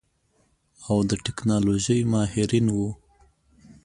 او د ټيکنالوژۍ ماهرين وو.